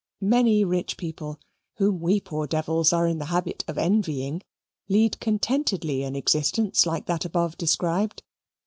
Many rich people, whom we poor devils are in the habit of envying, lead contentedly an existence like that above described.